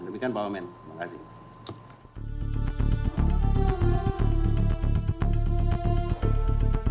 demikian pak wamen terima kasih